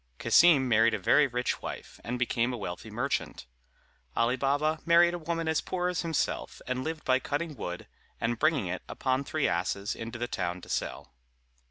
Cassim married a very rich wife, and became a wealthy merchant. Ali Baba married a woman as poor as himself, and lived by cutting wood, and bringing it upon three asses into the town to sell.